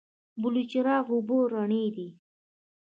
بلچراغ اوبه رڼې دي؟